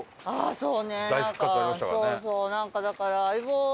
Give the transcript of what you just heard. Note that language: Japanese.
そうそうなんかだから『相棒』が。